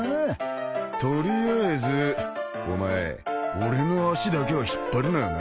取りあえずお前俺の足だけは引っ張るなよな。